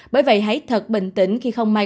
bởi vậy hãy thật bình tĩnh khi không may